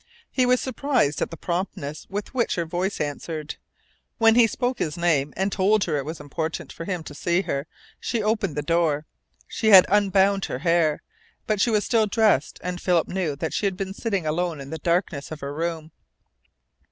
He was surprised at the promptness with which her voice answered. When he spoke his name, and told her it was important for him to see her, she opened the door. She had unbound her hair. But she was still dressed, and Philip knew that she had been sitting alone in the darkness of her room.